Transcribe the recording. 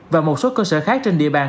và một số cơ sở khác trên địa bàn